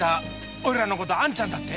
おいらのことを「あんちゃん」だと？